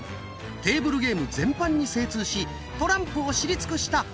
テーブルゲーム全般に精通しトランプを知り尽くした達人！